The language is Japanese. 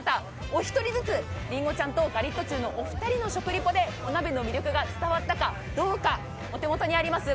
お一人ずつりんごちゃんとガリットチュウの食リポでお鍋の魅力が伝わったかどうかお手元にあります